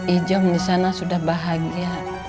ijom disana sudah bahagia